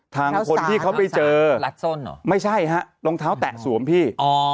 ทางคนที่เขาไปเจอไม่ใช่ฮะรองเท้าแตะสวมพี่